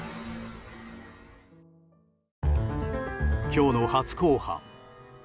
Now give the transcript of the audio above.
今日の初公判。